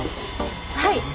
はい。